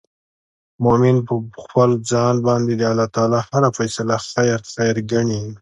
مؤمن به په خپل ځان باندي د الله تعالی هره فيصله خير خير ګڼې